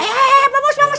eh eh eh eh bongus bongus